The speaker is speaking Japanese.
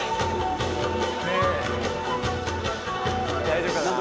大丈夫かな？